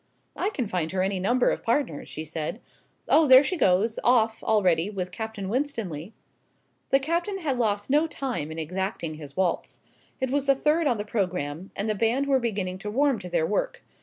"I can find her any number of partners," she said. "Oh, there she goes off already with Captain Winstanley." The Captain had lost no time in exacting his waltz. It was the third on the programme, and the band were beginning to warm to their work.